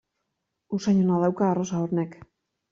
Usain ona dauka arrosa honek.